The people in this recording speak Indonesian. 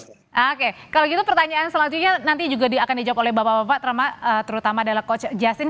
oke kalau gitu pertanyaan selanjutnya nanti juga akan dijawab oleh bapak bapak terutama adalah coach justin